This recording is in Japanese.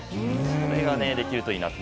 それができるといいなと。